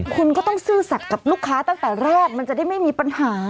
คุณก็ต้องซื่อสัตว์กับลูกค้าตั้งแต่แรกมันจะได้ไม่มีปัญหา